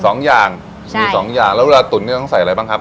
สองอย่างมีสองอย่างแล้วเวลาตุ๋นเนี้ยต้องใส่อะไรบ้างครับ